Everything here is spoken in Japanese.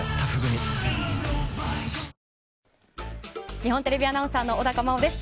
日本テレビアナウンサーの小高茉緒です。